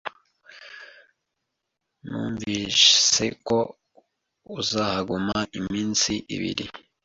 Numvise ko uzahaguma iminsi ibiri.